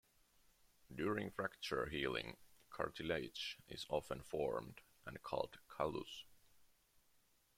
During fracture healing, cartilage is often formed and is called callus.